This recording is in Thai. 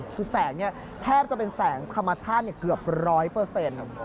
คือแสงเนี่ยแทบจะเป็นแสงธรรมชาติเกือบร้อยเปอร์เซ็นต์